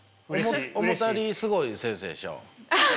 思ったよりすごい先生でしょ？